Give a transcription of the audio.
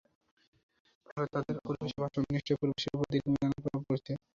ফলে, পরিবেশের ভারসাম্য বিনষ্ট হয়ে পরিবেশের ওপর দীর্ঘমেয়াদি নানা প্রভাব পড়ছে।